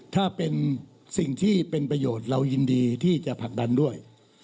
ถ้าเป็นสิ่งที่เป็นประโยชน์เรายินดีที่จะผลักดันด้วย